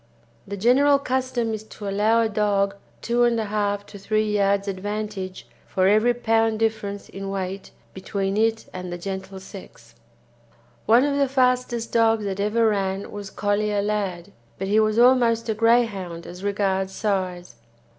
The general custom is to allow a dog 2 1/2 to 3 yards advantage for every pound difference in weight between it and the gentle sex. One of the fastest dogs that ever ran was Collier Lad, but he was almost a Greyhound as regards size.